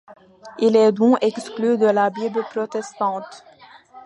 Il est donc exclu de la Bible protestante.